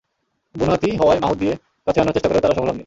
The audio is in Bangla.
বুনো হাতি হওয়ায় মাহুত দিয়ে কাছে আনার চেষ্টা করেও তাঁরা সফল হননি।